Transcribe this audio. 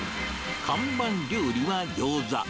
看板料理はギョーザ。